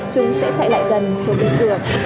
chúng sẽ chạy lại gần trốn bình thường